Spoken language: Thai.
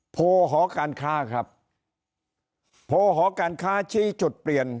โพหอการค้าครับโพหอการค้าชี้จุดเปลี่ยน